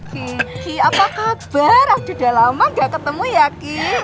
gigi apa kabar udah lama gak ketemu ya gigi